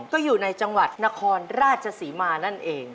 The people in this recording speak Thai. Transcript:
ก็อยู่ในจังหวัดนครราชศรีมานั่นเอง